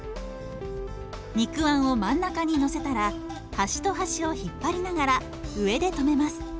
肉あんを真ん中にのせたら端と端を引っ張りながら上で留めます。